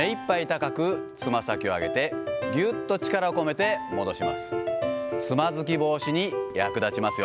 高くつま先を上げて、ぎゅっと力を込めて戻します。